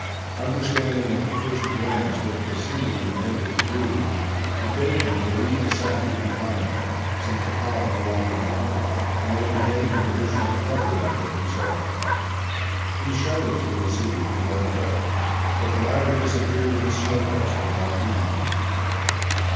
Understanding at the first glance Vv hat Vassili intended to do, he begged him to leave the sacking behind, since the cob no longer needed it and it would make an additional covering for himself. He shouted to Vassili to that effect, but the latter disappeared in the snow dust without heeding him.